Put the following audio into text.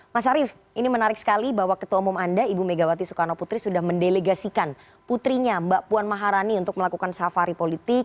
mas arief ini menarik sekali bahwa ketua umum anda ibu megawati soekarno putri sudah mendelegasikan putrinya mbak puan maharani untuk melakukan safari politik